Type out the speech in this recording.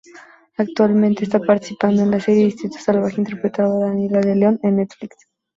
Actualmente esta participando en la serie "Distrito salvaje" interpretando a Daniela León en Netflix.